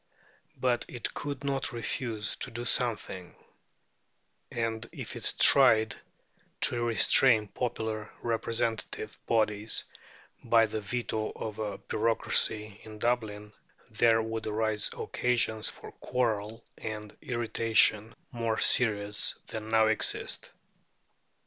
But it could not refuse to do something; and if it tried to restrain popular representative bodies by the veto of a bureaucracy in Dublin, there would arise occasions for quarrel and irritation more serious than now exist.